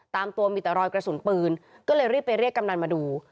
ตามตัวมีแต่รอยกระสุนปืนก็เลยรีบไปเรียกกำนันมาดู